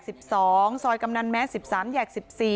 ซอยกำนันแม้๑๓แยก๑๔